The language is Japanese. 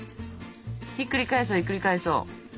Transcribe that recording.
ひっくり返そうひっくり返そう。